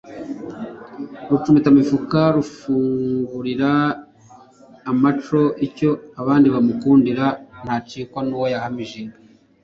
Rucumitanamifuka rufungulira amaco, Icyo abandi bamukundira ntacikwa n'uwo yahamije.